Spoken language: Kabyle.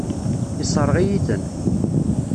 Yessṛeɣ-iyi-ten.